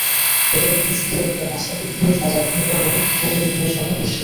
গতকাল বৃহস্পতিবার বিকেল পাঁচটার দিকে ধুনট বাজার মুক্তাঙ্গনে মতবিনিময় সভা অনুষ্ঠিত হয়।